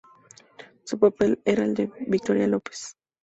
Su papel era el de Victoria López.